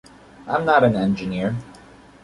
I'm not an engineer.